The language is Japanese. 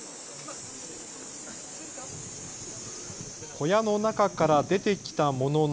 小屋の中から出て来たものの